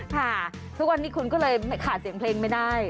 ค่ะทุกวันนี้คุณก็เลยขาดเสียงเพลงไม่ได้